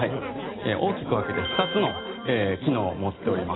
大きく分けて２つの機能を持っております。